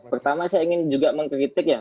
pertama saya ingin juga mengkritik ya